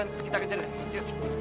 tante ingrid ada tante ingrid